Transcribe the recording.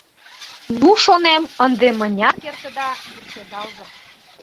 «Ну, — шонем, — ынде мыняр кертыда, вурседалза».